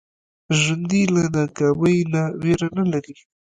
ژوندي له ناکامۍ نه ویره نه لري